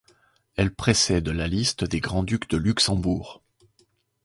Elle précède la liste des grands-ducs de Luxembourg.